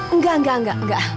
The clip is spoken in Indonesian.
enggak enggak enggak enggak